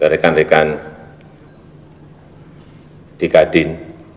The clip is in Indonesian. rekan rekan di kadin